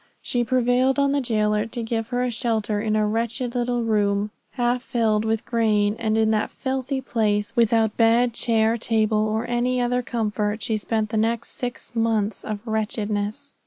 She prevailed on the jailer to give her a shelter in a wretched little room half filled with grain, and in that filthy place, without bed, chair, table, or any other comfort, she spent the next six months of wretchedness.